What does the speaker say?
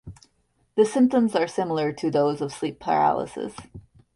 The symptoms are similar to those of sleep paralysis.